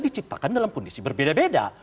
diciptakan dalam kondisi berbeda beda